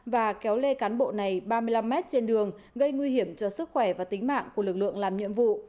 và kéo lê cán bộ này ba mươi năm m trên đường gây nguy hiểm cho sức khỏe và tính mạng của lực lượng làm nhiệm vụ